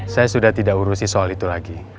saya sudah tidak urusi soal itu lagi